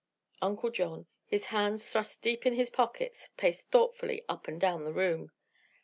Uncle John, his hands thrust deep in his pockets, paced thoughtfully up and down the room.